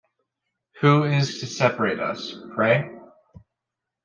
Who is to separate us, pray?